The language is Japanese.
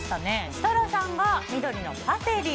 設楽さんが緑のパセリ。